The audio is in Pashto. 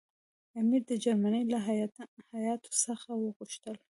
امیر د جرمني له هیات څخه وغوښتل.